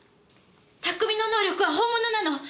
拓海の能力は本物なの！